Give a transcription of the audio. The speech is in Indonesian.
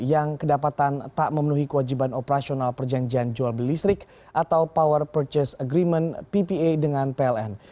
yang kedapatan tak memenuhi kewajiban operasional perjanjian jual beli listrik atau power purchase agreement ppa dengan pln